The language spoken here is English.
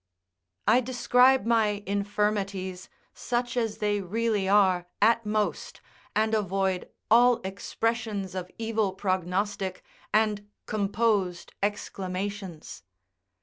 I describe my infirmities, such as they really are, at most, and avoid all expressions of evil prognostic and composed exclamations.